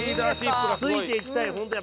ついていきたい本当